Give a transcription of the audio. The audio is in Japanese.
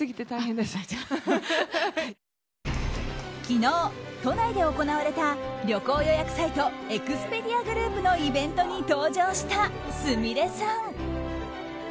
昨日、都内で行われた旅行予約サイトエクスペディアグループのイベントに登場した、すみれさん。